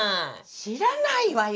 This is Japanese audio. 知らないわよ！